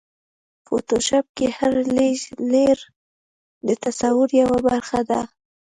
فوټوشاپ کې هر لېیر د تصور یوه برخه ده.